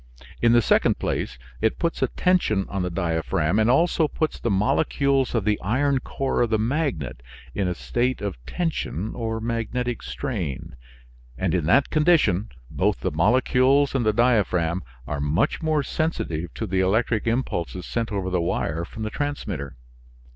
In the second place, it puts a tension on the diaphragm and also puts the molecules of the iron core of the magnet in a state of tension or magnetic strain, and in that condition both the molecules and the diaphragm are much more sensitive to the electric impulses sent over the wire from the transmitter.